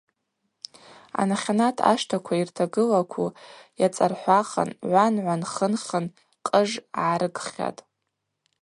Анахьанат аштаква йыртагылакву йацӏархӏвахын, гӏван-гӏван, хын-хын къыж гӏаргхьатӏ.